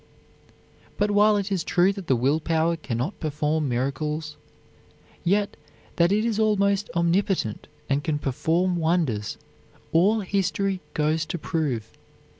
But while it is true that the will power can not perform miracles, yet that it is almost omnipotent, and can perform wonders, all history goes to prove.